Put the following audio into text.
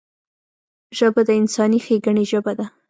ژبه د انساني ښیګڼې ژبه ده